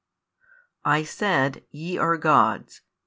I said, Ye are gods, &c.